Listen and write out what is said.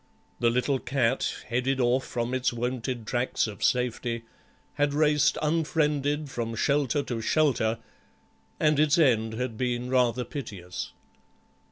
The little cat, headed off from its wonted tracks of safety, had raced unfriended from shelter to shelter, and its end had been rather piteous.